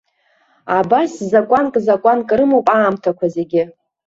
Абас закәанк закәанк рымоуп аамҭақәа зегьы.